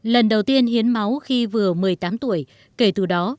lần đầu tiên hiến máu khi vừa một mươi tám tuổi kể từ đó